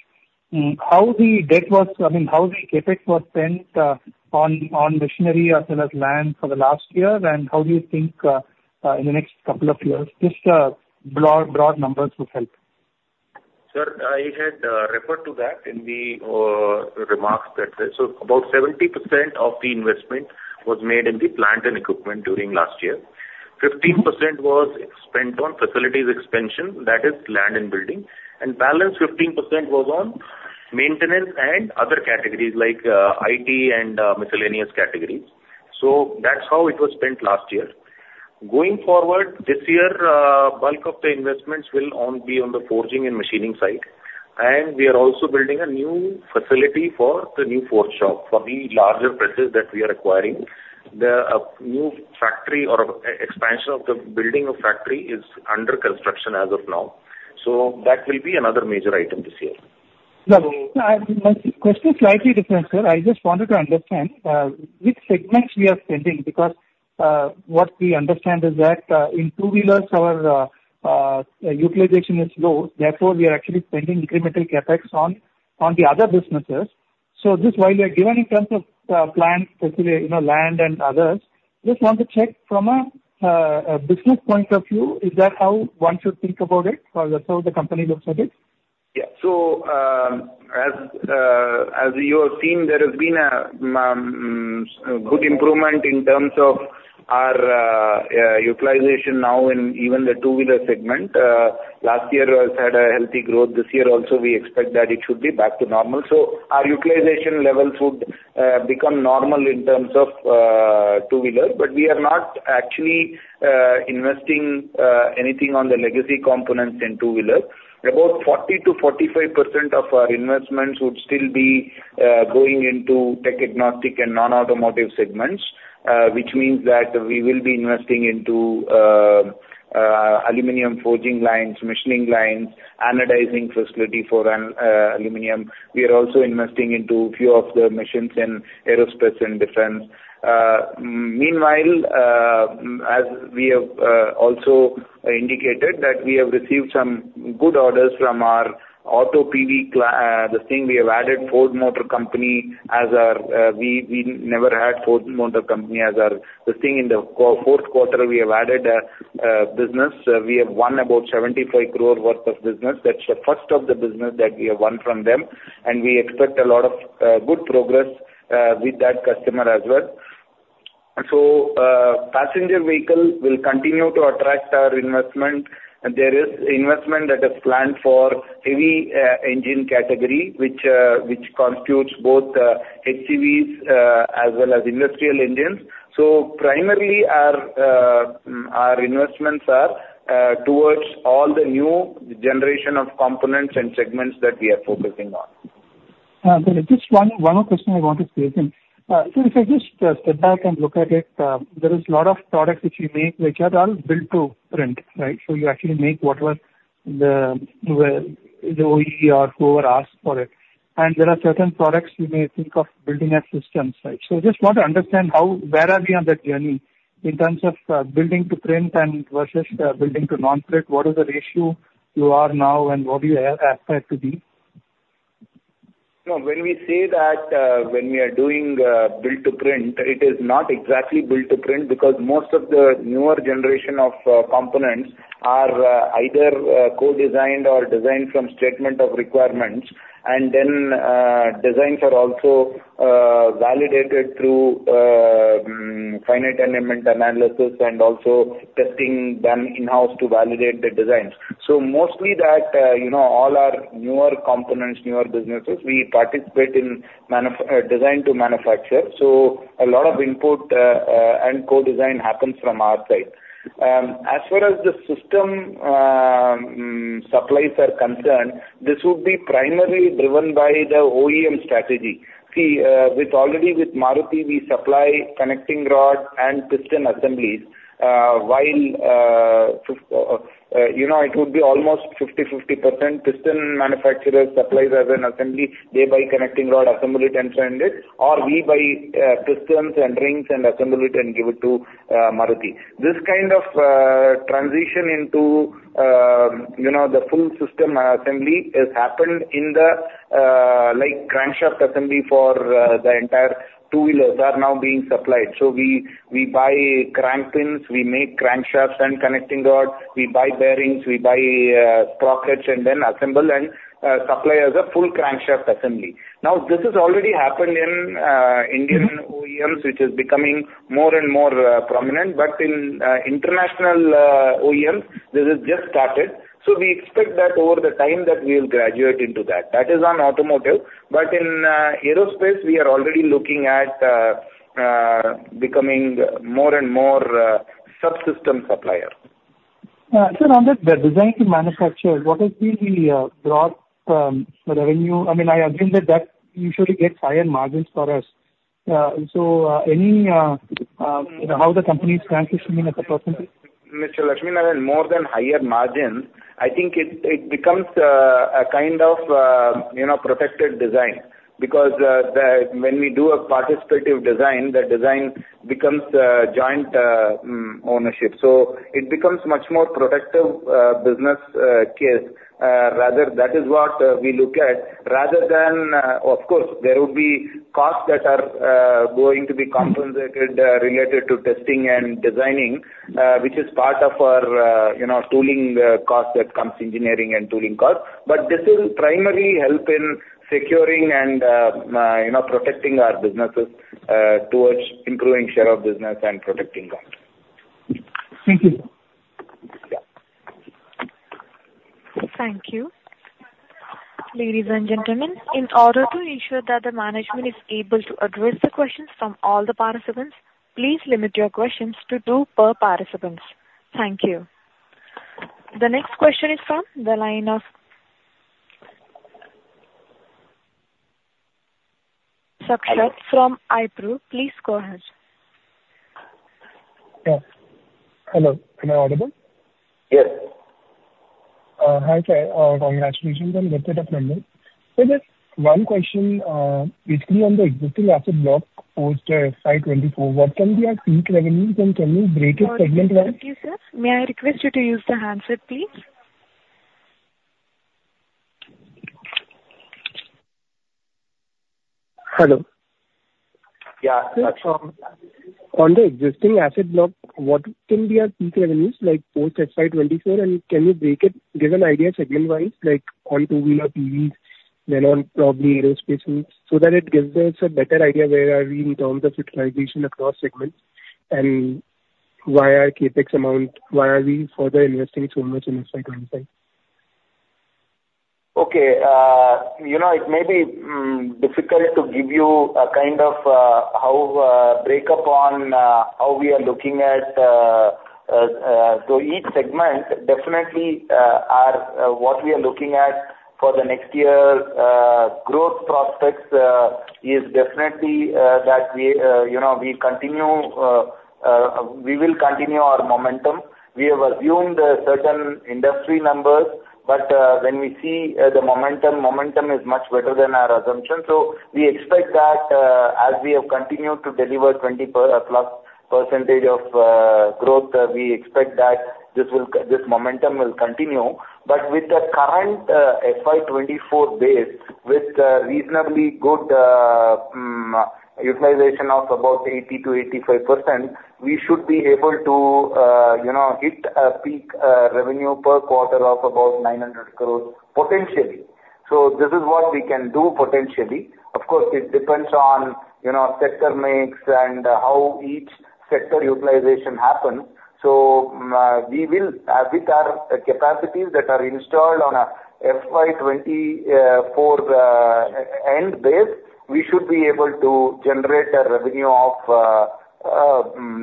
how the debt was... I mean, how the CapEx was spent on machinery as well as land for the last year, and how do you think in the next couple of years? Just broad numbers would help. Sir, I had referred to that in the remarks that, so about 70% of the investment was made in the plant and equipment during last year. 15% was spent on facilities expansion, that is land and building, and balance 15% was on maintenance and other categories like IT and miscellaneous categories. So that's how it was spent last year. Going forward, this year, bulk of the investments will be on the forging and machining side, and we are also building a new facility for the new forge shop for the larger presses that we are acquiring. The new factory or expansion of the building of factory is under construction as of now. So that will be another major item this year. Well, my question is slightly different, sir. I just wanted to understand which segments we are spending, because what we understand is that in two-wheelers our utilization is low, therefore, we are actually spending incremental CapEx on the other businesses... So just while we are given in terms of plans, especially, you know, land and others, just want to check from a business point of view, is that how one should think about it, or that's how the company looks at it? Yeah. So, as you have seen, there has been a good improvement in terms of our utilization now in even the two-wheeler segment. Last year has had a healthy growth. This year also, we expect that it should be back to normal. So our utilization levels would become normal in terms of two-wheeler, but we are not actually investing anything on the legacy components in two-wheeler. About 40%-45% of our investments would still be going into tech-agnostic and non-automotive segments, which means that we will be investing into aluminum forging lines, machining lines, anodizing facility for an aluminum. We are also investing into a few of the machines in aerospace and defense. Meanwhile, as we have also indicated, that we have received some good orders from our auto PV, the thing we have added, Ford Motor Company, as our, we, we never had Ford Motor Company as our listing in the fourth quarter. We have added business. We have won about 75 crore worth of business. That's the first of the business that we have won from them, and we expect a lot of good progress with that customer as well. So, passenger vehicle will continue to attract our investment, and there is investment that is planned for heavy engine category, which constitutes both HEVs as well as industrial engines. So primarily, our investments are towards all the new generation of components and segments that we are focusing on. Just one more question I want to ask you. So if I just step back and look at it, there is a lot of products which you make, which are all built to print, right? So you actually make whatever the OE or whoever asks for it. And there are certain products you may think of building a system, right? So just want to understand how, where are we on that journey in terms of building to print and versus building to non-print? What is the ratio you are now, and what do you aspire to be? No, when we say that, when we are doing build to print, it is not exactly build to print, because most of the newer generation of components are either co-designed or designed from statement of requirements. And then, designs are also validated through finite element analysis and also testing them in-house to validate the designs. So mostly that, you know, all our newer components, newer businesses, we participate in design to manufacture, so a lot of input and co-design happens from our side. As far as the system supplies are concerned, this would be primarily driven by the OEM strategy. See, with already with Maruti, we supply connecting rod and piston assemblies. While, you know, it would be almost 50%, 50% piston manufacturers supplies as an assembly. They buy connecting rod, assemble it, and send it, or we buy, pistons and rings and assemble it and give it to, Maruti. This kind of, transition into, you know, the full system assembly has happened in the, like, crankshaft assembly for, the entire two-wheelers are now being supplied. So we, we buy crankpins, we make crankshafts and connecting rods, we buy bearings, we buy, sprockets, and then assemble and, supply as a full crankshaft assembly. Now, this has already happened in, Indian OEMs- Mm-hmm. -which is becoming more and more prominent, but in international OEMs, this has just started. So we expect that over the time that we will graduate into that. That is on automotive, but in aerospace, we are already looking at becoming more and more subsystem supplier. So on the design to manufacture, what is the broad revenue? I mean, I agree that that usually gets higher margins for us. So, any how the company is transitioning at the present? Mr. Lakshminarayanan, more than higher margins, I think it becomes a kind of, you know, protected design. Because when we do a participative design, the design becomes joint ownership. So it becomes much more protective business case. Rather, that is what we look at, rather than. Of course, there will be costs that are going to be compensated- Mm-hmm. Related to testing and designing, which is part of our, you know, tooling, cost that comes engineering and tooling cost. But this will primarily help in securing and, you know, protecting our businesses, towards improving share of business and protecting them. Thank you. Yeah. Thank you. Ladies and gentlemen, in order to ensure that the management is able to address the questions from all the participants, please limit your questions to two per participants. Thank you. The next question is from the line of Sakshat Goel from ICICI Pru. Please go ahead. Yeah. Hello, am I audible? Yes. Hi, sir. Congratulations on the set of numbers. So just one question, basically, on the existing asset block post FY 2024, what can be our peak revenues and can you break it segment wise? Thank you, sir. May I request you to use the handset, please?... Hello. Yeah, that's from- On the existing asset block, what can be our peak revenues, like post FY 2024, and can you break it, give an idea segment-wise, like on two-wheeler EVs, then on probably aerospace, so that it gives us a better idea where are we in terms of utilization across segments, and why are CapEx amount, why are we further investing so much in FY 2025? Okay. You know, it may be difficult to give you a kind of how breakup on how we are looking at, so each segment definitely are what we are looking at for the next year growth prospects is definitely that we, you know, we will continue our momentum. We have assumed certain industry numbers, but when we see the momentum, momentum is much better than our assumption. So we expect that, as we have continued to deliver 20%+ growth, we expect that this momentum will continue. But with the current FY 2024 base, with a reasonably good utilization of about 80%-85%, we should be able to, you know, hit a peak revenue per quarter of about 900 crore, potentially. So this is what we can do potentially. Of course, it depends on, you know, sector mix and how each sector utilization happens. So, we will, with our capacities that are installed on a FY 2024 end base, we should be able to generate a revenue of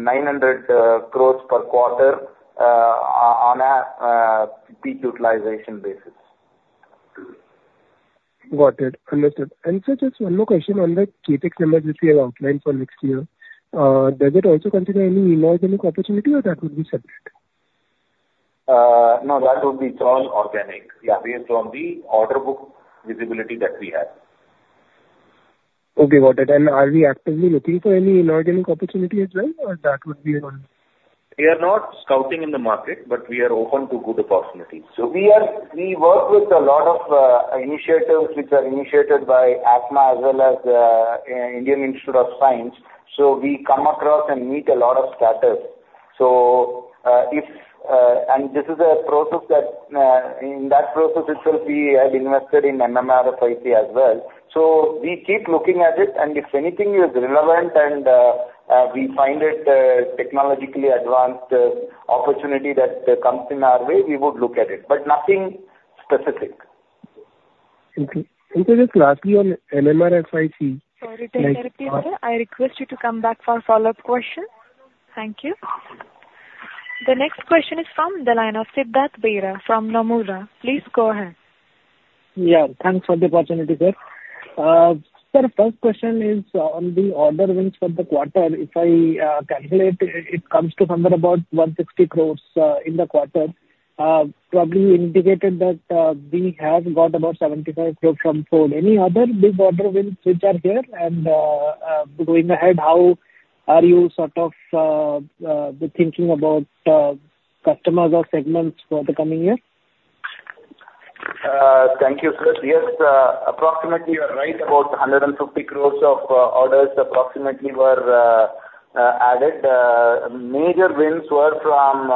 nine hundred crores per quarter, on a peak utilization basis. Got it. Understood. Sir, just one more question on the CapEx numbers which we have outlined for next year. Does it also consider any inorganic opportunity or that would be separate? No, that would be all organic. Yeah. Based on the order book visibility that we have. Okay, got it. And are we actively looking for any inorganic opportunity as well, or that would be all? We are not scouting in the market, but we are open to good opportunities. So we work with a lot of initiatives which are initiated by ACMA as well as Indian Institute of Science, so we come across and meet a lot of startups. So, if and this is a process that, in that process itself, we have invested in MMRFIC as well. So we keep looking at it, and if anything is relevant and we find it, technologically advanced opportunity that comes in our way, we would look at it, but nothing specific. Okay. And just lastly, on MMRFIC- Sorry to interrupt you, sir. I request you to come back for a follow-up question. Thank you. The next question is from the line of Siddhartha Bera from Nomura. Please go ahead. Yeah, thanks for the opportunity, sir. Sir, first question is on the order wins for the quarter. If I calculate, it comes to somewhere about 160 crore in the quarter. Probably you indicated that we have got about 75 crore from Ford. Any other big order wins which are there? And going ahead, how are you sort of thinking about customers or segments for the coming year? Thank you, sir. Yes, approximately, you're right, about 150 crores of orders approximately were added. Major wins were from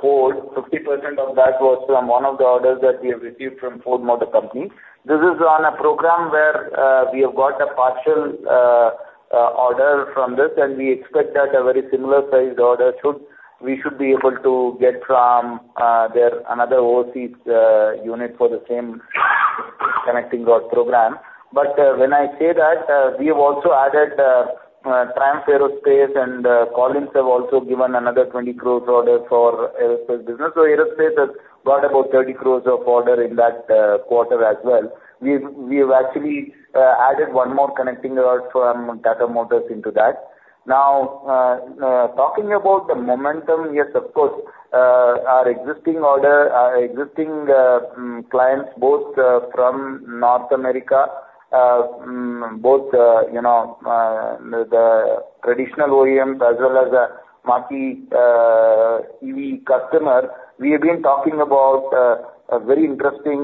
Ford. 50% of that was from one of the orders that we have received from Ford Motor Company. This is on a program where we have got a partial order from this, and we expect that a very similar sized order should—we should be able to get from their another overseas unit for the same connecting rod program. But, when I say that, we have also added Triumph Aerospace and Collins Aerospace have also given another 20 crores order for aerospace business. So aerospace has got about 30 crores of order in that quarter as well. We have actually added one more connecting rod from Tata Motors into that. Now, talking about the momentum, yes, of course, our existing order, our existing clients, both from North America, both you know the traditional OEMs as well as marquee EV customer, we have been talking about a very interesting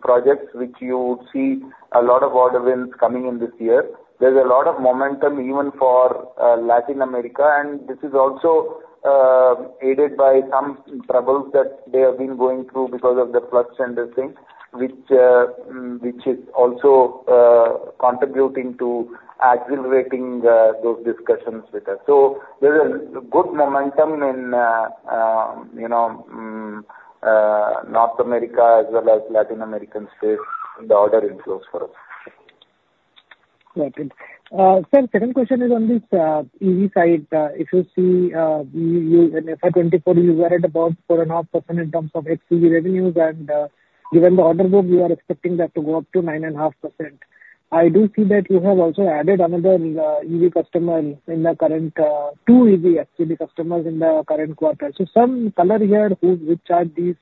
projects, which you see a lot of order wins coming in this year. There's a lot of momentum even for Latin America, and this is also aided by some troubles that they have been going through because of the flux and this thing, which is also contributing to accelerating those discussions with us. So there's a good momentum in, you know, North America as well as Latin American space in the order inflows for us. Got it. Sir, second question is on this EV side. If you see, xEVs in FY 2024, you were at about 4.5% in terms of xEV revenues, and given the order book, you are expecting that to go up to 9.5%. I do see that you have also added another EV customer in the current two EV actually customers in the current quarter. So some color here, who, which are these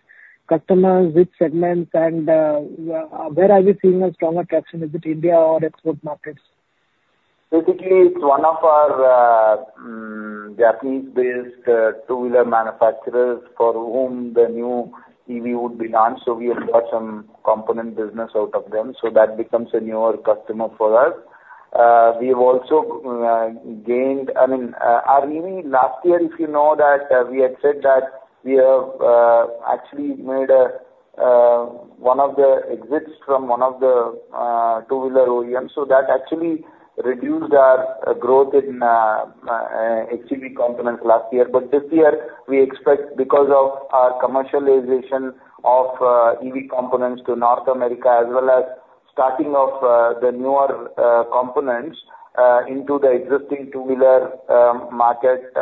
customers, which segments, and where are we seeing a stronger traction, is it India or export markets?... Basically, it's one of our, Japanese-based, two-wheeler manufacturers for whom the new EV would be launched, so we have got some component business out of them, so that becomes a newer customer for us. We have also gained-- I mean, our EV last year, if you know that, we had said that we have actually made a one of the exits from one of the two-wheeler OEMs. So that actually reduced our growth in xEV components last year. But this year, we expect because of our commercialization of EV components to North America, as well as starting of the newer components into the existing two-wheeler market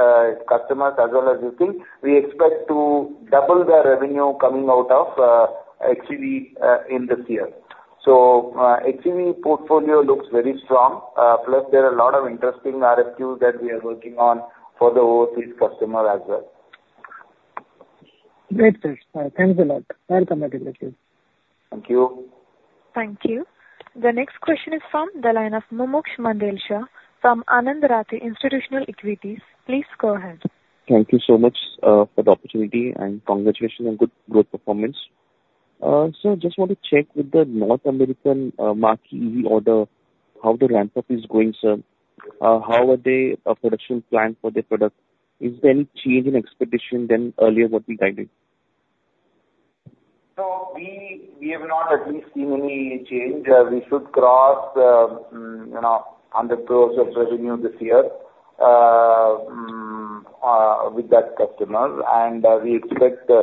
customers, as well as this thing, we expect to double the revenue coming out of xEV in this year. xEV portfolio looks very strong, plus there are a lot of interesting RFQs that we are working on for the overseas customer as well. Great, sir. Thanks a lot. Welcome back in the team. Thank you. Thank you. The next question is from the line of Mumuksh Mandlesha from Anand Rathi Institutional Equities. Please go ahead. Thank you so much for the opportunity, and congratulations on good growth performance. So just want to check with the North American marquee order, how the ramp-up is going, sir. How are they production plan for the product? Is there any change in expedition than earlier what we guided? No, we have not at least seen any change. We should cross, you know, 100 crores of revenue this year with that customer. We expect a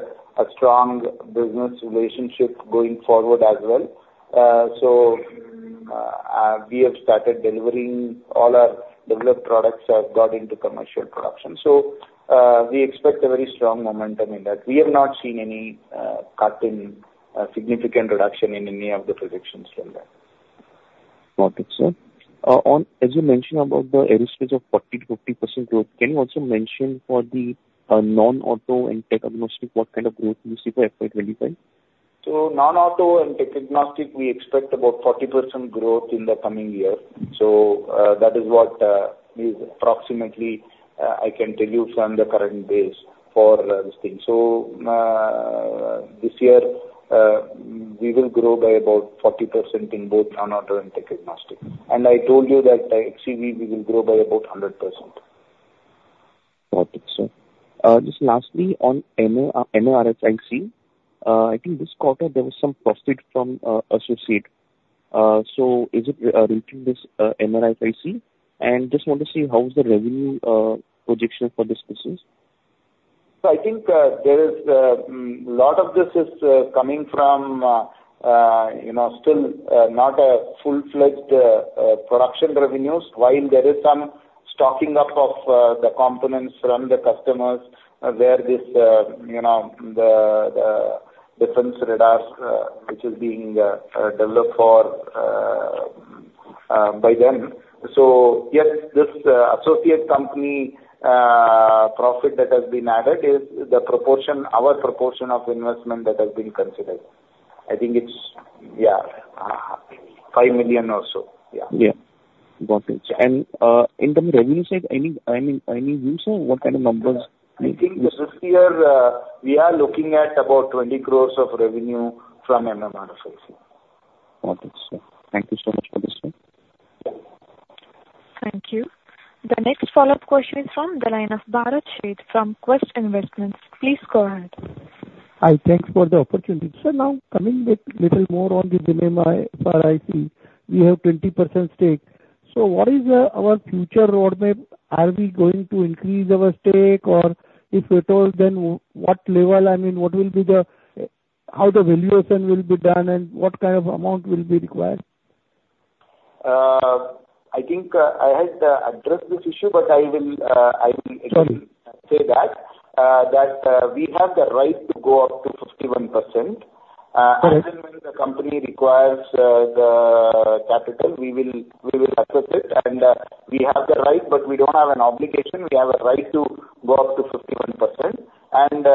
strong business relationship going forward as well. We have started delivering. All our developed products have got into commercial production. We expect a very strong momentum in that. We have not seen any cut in significant reduction in any of the projections from that. Got it, sir. On, as you mentioned about the aerospace of 40%-50% growth, can you also mention for the non-auto and tech-agnostic, what kind of growth do you see for FY 2025? So non-auto and tech-agnostic, we expect about 40% growth in the coming year. So, that is what is approximately, I can tell you from the current base for this thing. So, this year, we will grow by about 40% in both non-auto and tech-agnostic. And I told you that xEV, we will grow by about 100%. Got it, sir. Just lastly, on MMRFIC, I think this quarter there was some profit from associate. So is it relating this MMRFIC? And just want to see, how is the revenue projection for this business? So I think there is a lot of this coming from, you know, still not a full-fledged production revenues, while there is some stocking up of the components from the customers where this, you know, the defense radars which is being developed for by them. So yes, this associate company profit that has been added is our proportion of investment that has been considered. I think it's, yeah, 5 million or so. Yeah. Yeah. Got it. And in the revenue side, any view, sir, what kind of numbers? I think this year, we are looking at about 20 crores of revenue from MMRFIC. Got it, sir. Thank you so much for this, sir. Thank you. The next follow-up question is from the line of Bharat Sheth from Quest Investments. Please go ahead. Hi, thanks for the opportunity. Sir, now coming back little more on the MMRFIC, we have 20% stake. So what is our future roadmap? Are we going to increase our stake? Or if we told then what level, I mean, what will be the, how the valuation will be done, and what kind of amount will be required? I think I had addressed this issue, but I will I will- Sure. Again say that, that, we have the right to go up to 51%. Right. And when the company requires the capital, we will, we will access it. And we have the right, but we don't have an obligation. We have a right to go up to 51%. And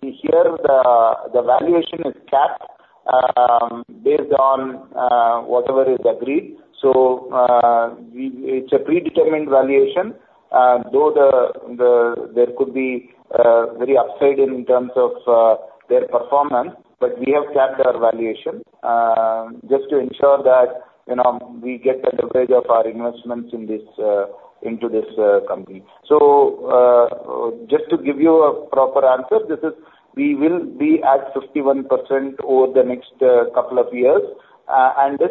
here, the valuation is capped based on whatever is agreed. So, we, it's a predetermined valuation, though there could be very upside in terms of their performance, but we have capped our valuation just to ensure that, you know, we get the leverage of our investments in this, into this company. So, just to give you a proper answer, this is, we will be at 51% over the next couple of years. And this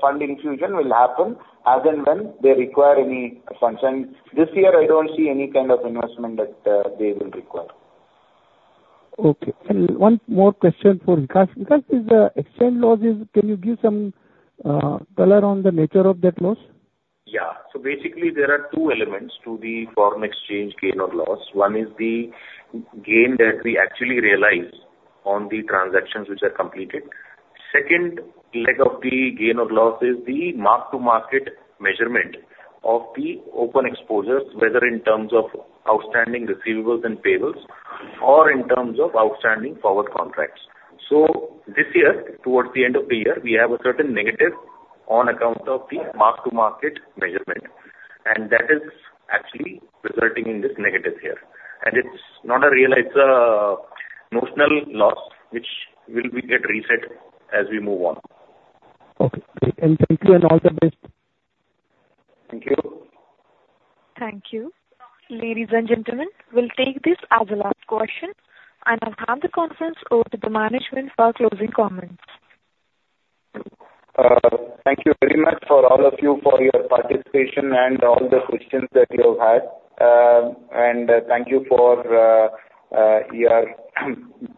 fund infusion will happen as and when they require any funds. This year, I don't see any kind of investment that they will require. Okay, and one more question for Vikas. Vikas, is the exchange losses, can you give some color on the nature of that loss? Yeah. So basically, there are two elements to the foreign exchange gain or loss. One is the gain that we actually realize on the transactions which are completed. Second leg of the gain or loss is the mark-to-market measurement of the open exposures, whether in terms of outstanding receivables and payables or in terms of outstanding forward contracts. So this year, towards the end of the year, we have a certain negative on account of the mark-to-market measurement, and that is actually resulting in this negative here. And it's not a real, it's a notional loss, which will be get reset as we move on. Okay, great. Thank you and all the best. Thank you. Thank you. Ladies and gentlemen, we'll take this as the last question, and I'll hand the conference over to the management for closing comments. Thank you very much for all of you for your participation and all the questions that you have had. Thank you for your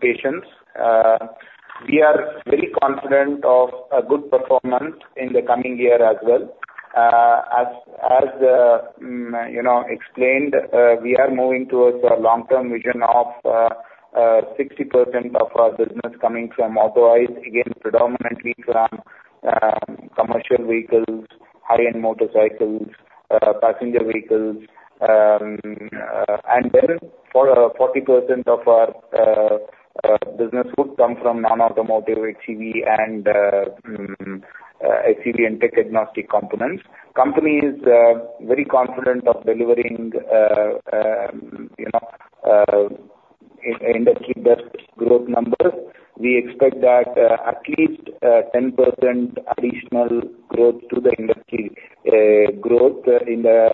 patience. We are very confident of a good performance in the coming year as well. As explained, you know, we are moving towards a long-term vision of 60% of our business coming from auto, again, predominantly from commercial vehicles, high-end motorcycles, passenger vehicles. And then for 40% of our business would come from non-automotive ICE and xEV and tech-agnostic components. Company is very confident of delivering, you know, industry-best growth numbers. We expect that at least 10% additional growth to the industry growth in the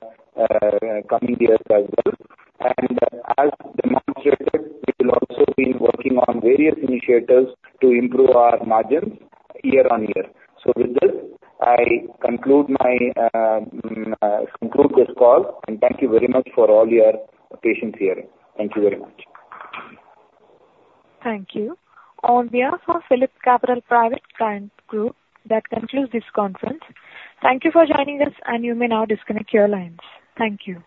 coming years as well. As demonstrated, we will also be working on various initiatives to improve our margins year on year. With this, I conclude this call, and thank you very much for all your patience here. Thank you very much. Thank you. On behalf of PhillipCapital Private Client Group, that concludes this conference. Thank you for joining us, and you may now disconnect your lines. Thank you.